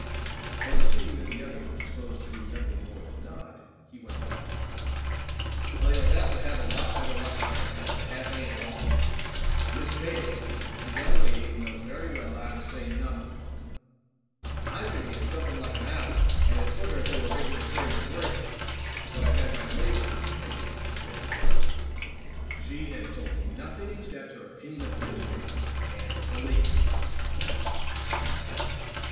And seeing that the other was disposed to do nothing more than nod, he went on: "Well, you'll have to have a lot better luck than I've had, to have any at all. Miss Vale, it seems, is a young lady who knows very well how to say nothing. I've been here something like an hour and have put her through a regular third degree; but I've had my labor for my pains, as the saying is. She has told me nothing except her opinion of the newspapers and the police."